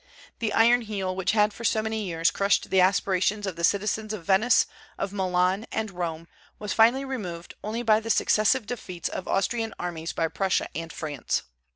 The iron heel which had for so many years crushed the aspirations of the citizens of Venice, of Milan, and Rome, was finally removed only by the successive defeats of Austrian armies by Prussia and France.